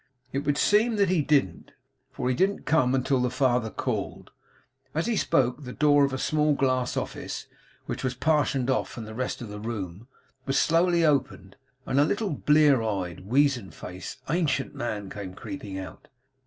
It would seem that he didn't, for he didn't come until the father called. As he spoke, the door of a small glass office, which was partitioned off from the rest of the room, was slowly opened, and a little blear eyed, weazen faced, ancient man came creeping out.